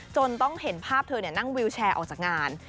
จนต้องเห็นภาพเธอนั่งวิวแชร์ออกจากงาน